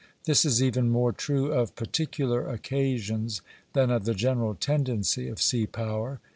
This is even more true of particular occasions than of the general tendency of sea power.